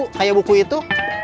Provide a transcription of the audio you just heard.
jadi abu kayak buku itu